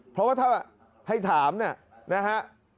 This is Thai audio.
เพราะว่าถ้าให้ถามเนี่ยนะฮะ